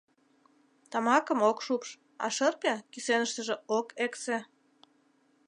Тамакым ок шупш, а шырпе кӱсеныштыже ок эксе.